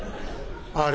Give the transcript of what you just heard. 「あれ。